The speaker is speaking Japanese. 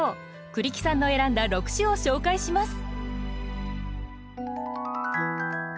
栗木さんの選んだ６首を紹介します。